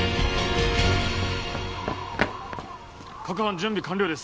各班準備完了です。